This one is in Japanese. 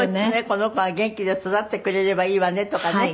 「この子が元気で育ってくれればいいわね」とかね